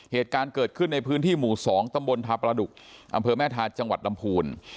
เหตุการณ์เกิดขึ้นในพื้นที่หมู่๒ตำบลทาประดุกอำเภอแม่ทาจังหวัดลำพูน